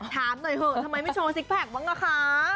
ถามหน่อยเถอะทำไมไม่โชว์ซิกแพคบ้างอ่ะคะ